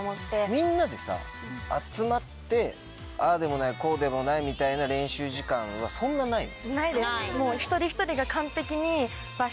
みんなでさ集まってああでもないこうでもないみたいな練習時間はそんなないの？